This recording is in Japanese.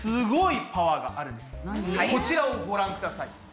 こちらをご覧ください。